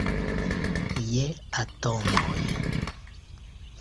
Je atomoj.